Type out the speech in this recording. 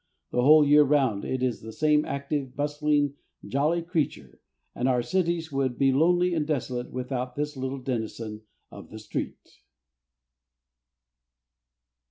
The whole year round it is the same active, bustling, jolly creature, and our cities would be lonely and desolate without this little denizen of the street.